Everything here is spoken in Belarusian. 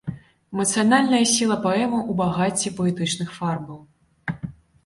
Эмацыянальная сіла паэмы ў багацці паэтычных фарбаў.